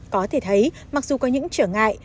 có thể thấy mặc dù có những trở ngại